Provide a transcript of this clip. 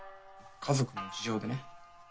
家族の事情でね。